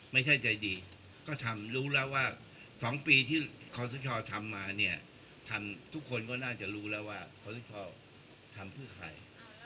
ไม่ใช่ใจดีก็ทำรู้แล้วว่า๒ปีที่คอสชทำมาเนี่ยทำทุกคนก็น่าจะรู้แล้วว่าขอสชทำเพื่อใคร